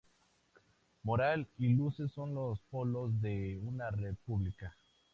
Moral y luces son los polos de una República".